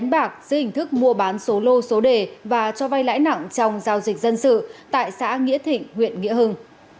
bộ bán số lô số đề và cho vay lãi nặng trong giao dịch dân sự tại xã nghĩa thịnh huyện nghĩa hưng